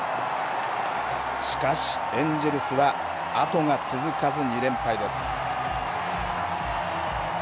しかしエンジェルスはあとが続かず２連敗です。